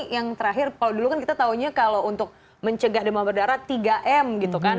yang terakhir kalau dulu kan kita tahunya kalau untuk mencegah demam berdarah tiga m gitu kan